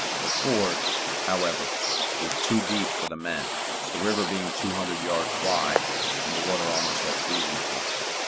The ford, however, proved too deep for the men, the river being two hundred yards wide, and the water almost at freezing point.